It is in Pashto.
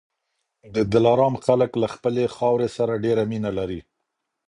د دلارام خلک له خپلي خاورې سره ډېره مینه لري.